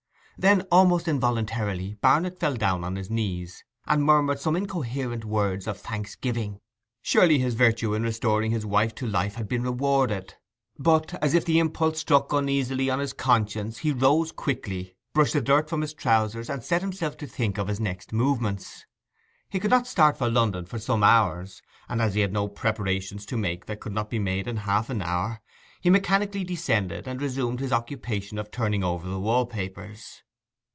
Then, almost involuntarily, Barnet fell down on his knees and murmured some incoherent words of thanksgiving. Surely his virtue in restoring his wife to life had been rewarded! But, as if the impulse struck uneasily on his conscience, he quickly rose, brushed the dust from his trousers and set himself to think of his next movements. He could not start for London for some hours; and as he had no preparations to make that could not be made in half an hour, he mechanically descended and resumed his occupation of turning over the wall papers.